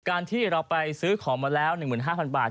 การที่เราไปซื้อของมาแล้ว๑๕๐๐บาท